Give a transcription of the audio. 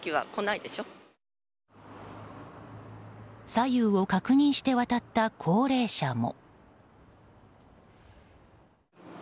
左右を確認して渡った高齢者も。